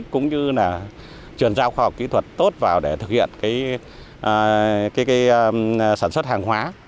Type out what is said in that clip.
cũng như là truyền giao khoa học kỹ thuật tốt vào để thực hiện sản xuất hàng hóa